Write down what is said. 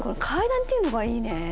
階段っていうのがいいね。